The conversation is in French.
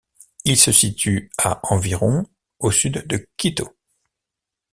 Il se situe à environ au sud de Quito.